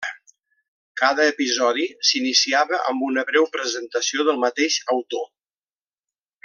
Cada episodi s'iniciava amb una breu presentació del mateix autor.